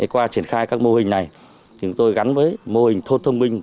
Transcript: qua triển khai các mô hình này chúng tôi gắn với mô hình thôn thông minh